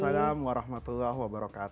waalaikumsalam wr wb